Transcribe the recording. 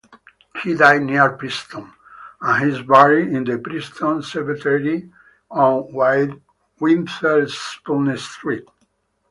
He died near Princeton, and is buried in the Princeton Cemetery on Witherspoon Street.